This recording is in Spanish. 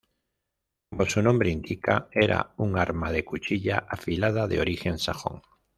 Como su nombre indica, era un arma de cuchilla afilada, de origen sajón.